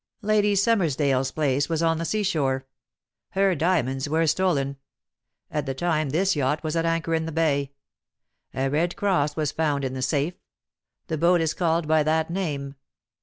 "Lady Summersdale's place was on the seashore. Her diamonds were stolen. At the time this yacht was at anchor in the bay. A red cross was found in the safe. The boat is called by that name.